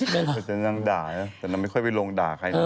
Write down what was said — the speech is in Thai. แต่จะนั่งด่าเนี่ยแต่นั่งไม่ค่อยไปลงด่าใคร